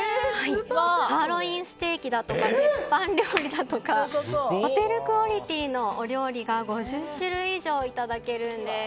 サーロインステーキだとか鉄板料理だとかホテルクオリティーのお料理が５０種類以上いただけるんです。